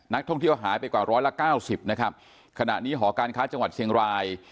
ท่องเที่ยวหายไปกว่าร้อยละเก้าสิบนะครับขณะนี้หอการค้าจังหวัดเชียงราย